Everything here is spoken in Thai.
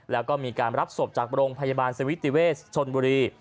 แล้วก็มีการรับศพจากโรงพยาบาลสวิติเวชชนบุรี